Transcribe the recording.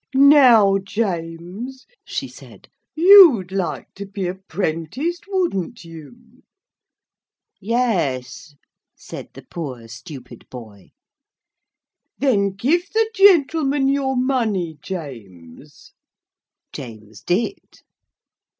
'Now, James,' she said, 'you'd like to be apprenticed, wouldn't you?' 'Yes,' said the poor stupid boy. 'Then give the gentleman your money, James.' James did.